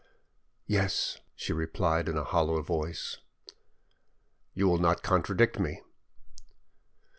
"Yes," she replied in a hollow voice. "You will not contradict me?"